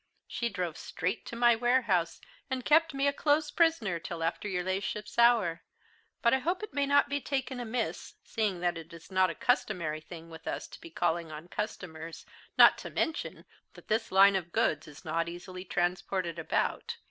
she drove straight to my warehouse, and kept me a close prisoner till after your La'ship's hour; but I hope it may not be taken amiss, seeing that it is not a customary thing with us to be calling on customers, not to mention that this line of goods is not easily transported about.